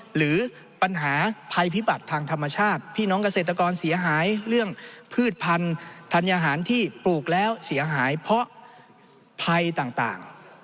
หรือปัญหาภัยพิบัติทางธรรมชาติพี่น้องเกษตรกรเสียหายเรื่องพืชพันธัญหารที่ปลูกแล้วเสียหายเพราะภัยต่าง